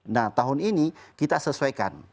nah tahun ini kita sesuaikan